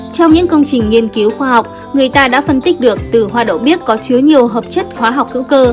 trong những công trình nghiên cứu khoa học người ta đã phân tích được từ hoa đậu có chứa nhiều hợp chất khoa học hữu cơ